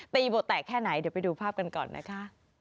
บทแตกแค่ไหนเดี๋ยวไปดูภาพกันก่อนนะคะ